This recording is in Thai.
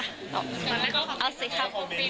เอาสิค่ะ